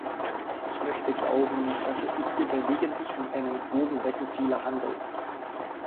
Ich möchte glauben, dass es sich hierbei lediglich um einen groben Rechenfehler handelt.